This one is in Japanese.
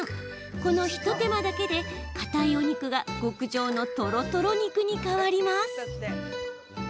この一手間だけで、かたいお肉が極上のとろとろ肉に変わります。